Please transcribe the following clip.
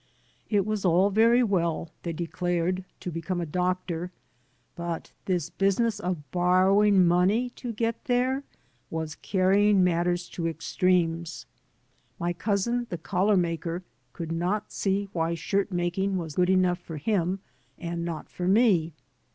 It 190 OFF TO COLLEGE was all very well, they declared, to become a doctor, but this busmess of borrowing money to get there was carrying matters to extremes. My cousin, the collar maker, could not see why shirt making was good enough for him and not for me.